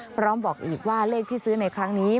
พร้อมบอกอีกว่าเลขที่ซื้อในครั้งนี้